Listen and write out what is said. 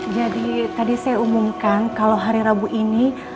jadi tadi saya umumkan kalau hari rabu ini